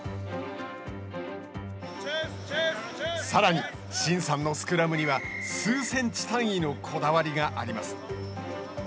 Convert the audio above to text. さらに慎さんのスクラムには数センチ単位のこだわりがあります。